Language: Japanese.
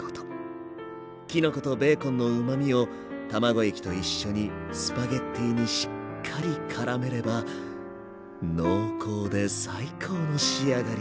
きのことベーコンのうまみを卵液と一緒にスパゲッティにしっかりからめれば濃厚で最高の仕上がりに。